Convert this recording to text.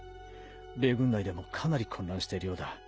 米軍内でもかなり混乱しているようだ。